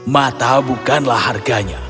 mata bukanlah harganya